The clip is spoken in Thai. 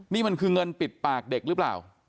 นี่มันคือเงินปิดปากเด็กหรือเปล่า